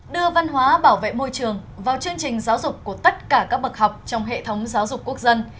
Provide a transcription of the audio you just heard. đưa văn hóa bảo vệ môi trường vào chương trình giáo dục của tất cả các bậc học trong hệ thống giáo dục quốc dân